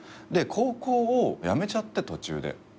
で高校を辞めちゃって途中で。